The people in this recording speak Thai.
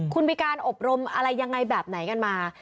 คุณมีการอบรมอะไรยังไงแบบไหนกันมา